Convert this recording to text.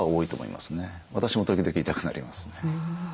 私も時々痛くなりますね。